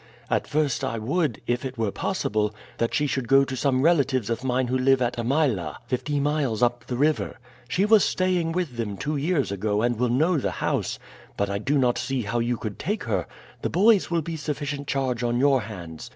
At first I would, if it were possible, that she should go to some relatives of mine who live at Amyla, fifty miles up the river. She was staying with them two years ago and will know the house; but I do not see how you could take her the boys will be sufficient charge on your hands.